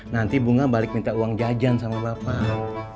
nanti bunga balik minta uang jajan sama bapak